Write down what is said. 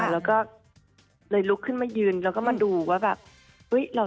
แล้วก็เลยลุกขึ้นมายืนแล้วก็มาดูว่าแบบ